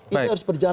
ini harus berjalan